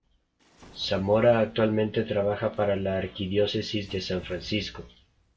Zamora actualmente trabaja para la Arquidiócesis de San Francisco.